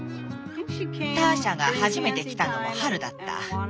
ターシャが初めて来たのも春だった。